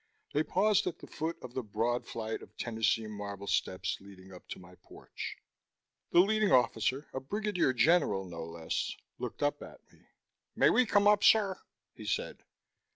They paused at the foot of the broad flight of Tennessee marble steps leading up to my perch. The leading officer, a brigadier general, no less, looked up at me. "May we come up, sir?" he said.